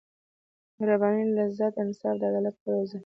مهربانۍ لذت انصاف عدالت کار او زحمت.